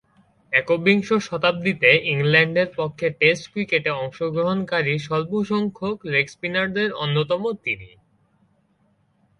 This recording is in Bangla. একবিংশ শতাব্দীতে ইংল্যান্ডের পক্ষে টেস্ট ক্রিকেটে অংশগ্রহণকারী স্বল্পসংখ্যক লেগ স্পিনারদের অন্যতম তিনি।